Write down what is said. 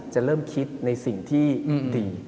จะเริ่มคิดในสิ่งที่ดี